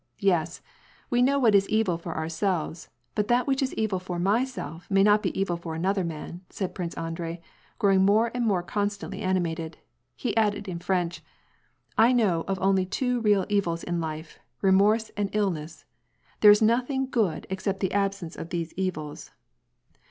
" Yes, we know what is evil for ourselves, but that which is evil for myself, may not be evil for another man," said Prince Andrei, growing more and more constantly animated. He added in French :" I know of only two real evils in life — remorse and illness. There is nothing good except the absence of these evils.